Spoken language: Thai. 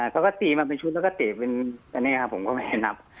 เขาก็ตีมาเป็นชุดแล้วก็เตะเป็นอันนี้ครับผมก็ไม่ให้นับ